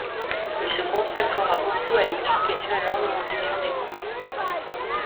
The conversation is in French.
Il se consacrera beaucoup à l'édification et l'ornementation des grottes.